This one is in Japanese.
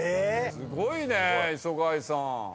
すごいね磯貝さん。